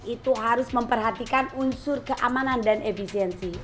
itu harus memperhatikan unsur keamanan dan efisiensi